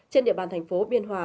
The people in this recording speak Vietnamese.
trên địa bàn thành phố biên hòa